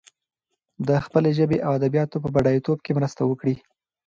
د خپلې ژبې او ادبياتو په بډايتوب کې مرسته وکړي.